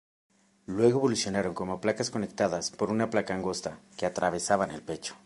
Luego evolucionaron como placas conectadas por una placa angosta, que atravesaban el pecho.